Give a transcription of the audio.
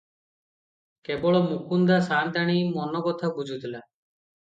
କେବଳ ମୁକୁନ୍ଦା ସାଆନ୍ତାଣୀ ମନ କଥା ବୁଝୁଥିଲା ।